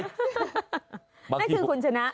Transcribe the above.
นั่นคือคุณชนะ